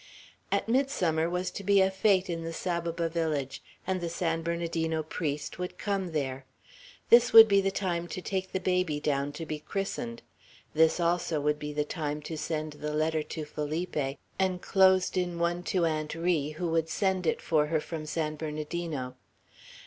At midsummer was to be a fete in the Saboba village, and the San Bernardino priest would come there. This would be the time to take the baby down to be christened; this also would be the time to send the letter to Felipe, enclosed in one to Aunt Ri, who would send it for her from San Bernardino.